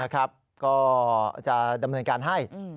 ก็จะดำเนินการให้